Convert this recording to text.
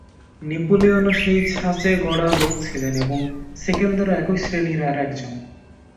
নেপোলিয়নও সেই ছাঁচে গড়া লোক ছিলেন এবং সেকেন্দারও এই শ্রেণীর আর একজন।